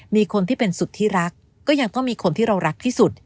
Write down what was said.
มีคนที่เป็นสุดที่รักก็ยังต้องมีคนที่เรารักที่สุด